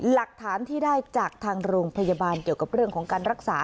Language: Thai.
หลักฐานที่ได้จากทางโรงพยาบาลเกี่ยวกับเรื่องของการรักษา